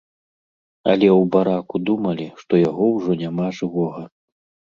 Але ў бараку думалі, што яго ўжо няма жывога.